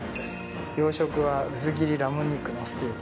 洋食は薄切りラム肉のステーキ。